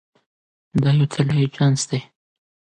دا یو طلایی چانس دی.